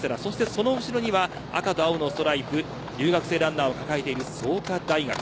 その後ろには赤と青のストライプ留学生ランナーを抱えている創価大学。